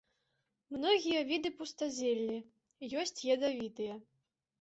Многія віды пустазелле, ёсць ядавітыя.